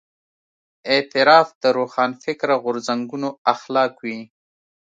اعتراف د روښانفکره غورځنګونو اخلاق وي.